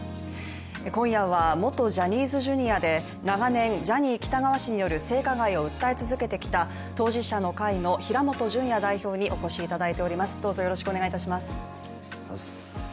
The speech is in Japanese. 今夜は元ジャニーズＪｒ．で長年、ジャニー喜多川氏による性加害を訴え続けてきた当事者の会の平本淳也代表にお越しいただいております。